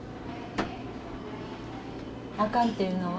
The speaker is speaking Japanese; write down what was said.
「あかん」っていうのは？